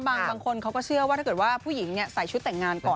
บางคนเขาก็เชื่อว่าถ้าเกิดว่าผู้หญิงใส่ชุดแต่งงานก่อน